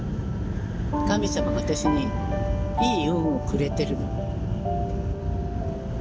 神様が私にいい運をくれてるの。